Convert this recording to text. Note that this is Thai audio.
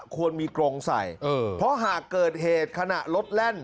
ควรมีกรงใส่เพราะหากเกิดเหตุขณะรถแล่น